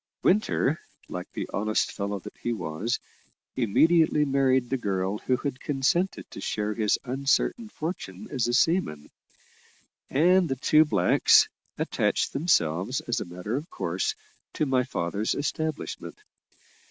Winter, like the honest fellow that he was, immediately married the girl who had consented to share his uncertain fortune as a seaman: and the two blacks attached themselves, as a matter of course, to my father's establishment.